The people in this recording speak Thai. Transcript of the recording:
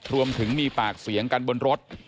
รวมถึงมีปากเสียงกันบนรถ